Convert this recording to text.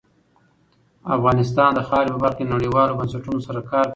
افغانستان د خاوره په برخه کې نړیوالو بنسټونو سره کار کوي.